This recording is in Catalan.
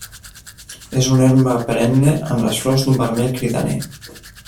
És una herba perenne amb les flors d'un vermell cridaner.